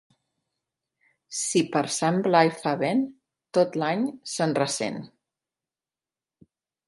Si per Sant Blai fa vent, tot l'any se'n ressent.